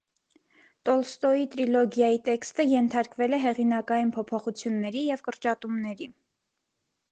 Տոլստոյի տրիլոգիայի տեքստը ենթարկվել է հեղինակային փոփոխությունների և կրճատումների։